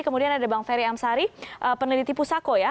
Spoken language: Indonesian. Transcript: kemudian ada bang ferry amsari peneliti pusako ya